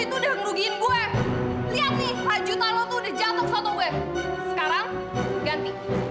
itu udah ngerugiin gue lihat nih rajutan lo tuh udah jatuh satu web sekarang ganti